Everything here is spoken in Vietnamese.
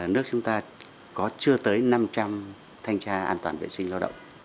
nước chúng ta có chưa tới năm trăm linh thanh tra an toàn vệ sinh lao động